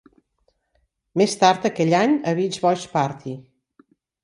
Més tard aquell any a Beach Boys' Party!